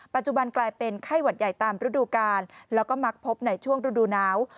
กลายเป็นไข้หวัดใหญ่ตามฤดูกาลแล้วก็มักพบในช่วงฤดูหนาว